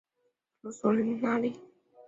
罗索利纳。